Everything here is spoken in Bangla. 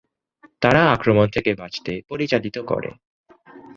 তারা আক্রমণ থেকে বাঁচতে পরিচালিত করে।